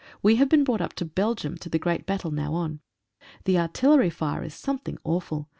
We have been brought up to Belgium to the great battle now on. The artillery fire is something awful.